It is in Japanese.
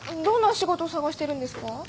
どんな仕事探してるんですか？